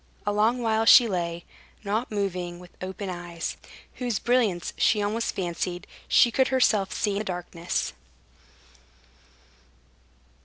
A long while she lay, not moving, with open eyes, whose brilliance she almost fancied she could herself see in the darkness.